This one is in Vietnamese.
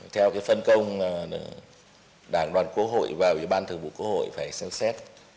theo phân công đảng đoàn quốc hội và ủy ban thường vụ quốc hội phải xem xét